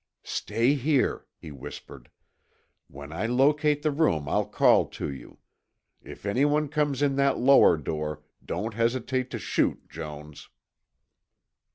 "Stay here," he whispered. "When I locate the room I'll call to you. If anyone comes in that lower door, don't hesitate to shoot, Jones."